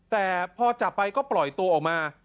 แต่พอจับไปก็ปล่อยตัวออกมา